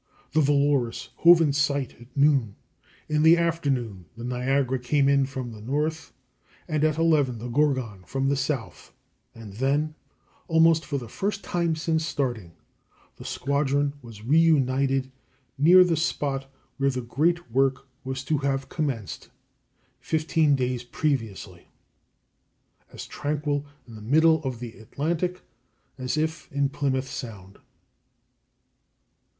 The Valorous hove in sight at noon; in the afternoon the Niagara came in from the north; and at even the Gorgon from the south: and then, almost for the first time since starting, the squadron was reunited near the spot where the great work was to have commenced fifteen days previously as tranquil in the middle of the Atlantic as if in Plymouth Sound.